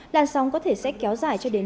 làn sóng có thể sẽ kéo dài